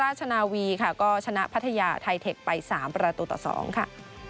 นาวีค่ะก็ชนะพัทยาไทเทคไป๓ประตูต่อ๒ค่ะ